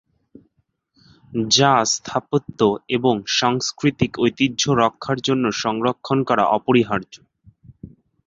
যা স্থাপত্য এবং সাংস্কৃতিক ঐতিহ্য রক্ষার জন্য সংরক্ষন করা অপরিহার্য।